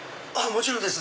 もちろんです！